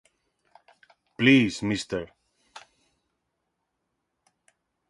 Please Mr.